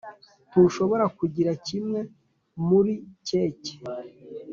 ntushobora kugira kimwe muri keke.